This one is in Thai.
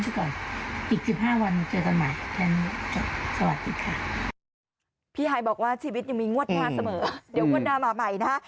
เดี๋ยวงวดหน้ามาใหม่นะฮะ